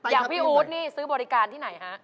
อย่างพี่อู๊ดนี่ซื้อบริการที่ไหนฮะ